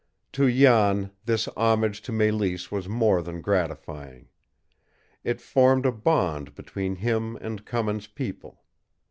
To Jan this homage to Mélisse was more than gratifying. It formed a bond between him and Cummins' people.